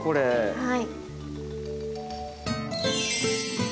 はい。